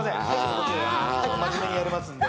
こっちは真面目にやりますんで。